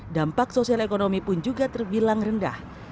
dampak sosial ekonomi pun juga terbilang rendah